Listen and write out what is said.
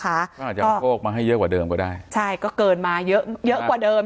เขาอาจจะโชคมาให้เยอะกว่าเดิมก็ได้ใช่ก็เกินมาเยอะเยอะกว่าเดิม